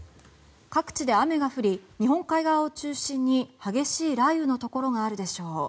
各地で雨が降り日本海側を中心に激しい雷雨のところがあるでしょう。